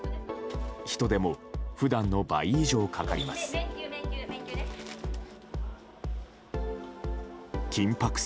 人手も普段の倍以上かかります。